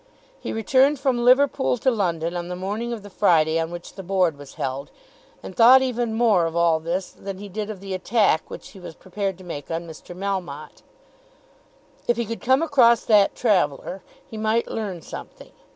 He returned from Liverpool to London on the morning of the Friday on which the Board was held, and thought even more of all this than he did of the attack which he was prepared to make on Mr. Melmotte. If he could come across that traveller he might learn something.